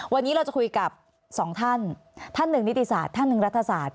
วันนี้เราจะคุยกับสองท่านท่านหนึ่งนิติศาสตร์ท่านหนึ่งรัฐศาสตร์